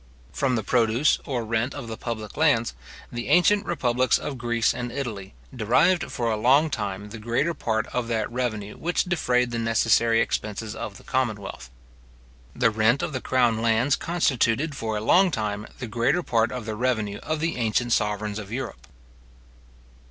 From the produce or rent of the public lands, the ancient republics of Greece and Italy derived for a long time the greater part of that revenue which defrayed the necessary expenses of the commonwealth. The rent of the crown lands constituted for a long time the greater part of the revenue of the ancient sovereigns of Europe.